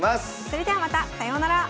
それではまたさようなら。